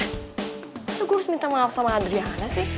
kenapa gue harus minta maaf sama adriana sih